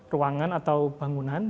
ruangan atau bangunan